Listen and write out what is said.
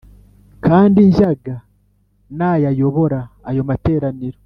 kandi njyaga nayayobora ayo materaniro